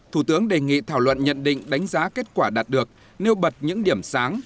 thủ tướng đề nghị thảo luận nhận định đánh giá kết quả đạt được nêu bật những điểm sáng